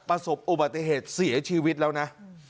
ประสบอุบัติเหตุเสียชีวิตแล้วนะ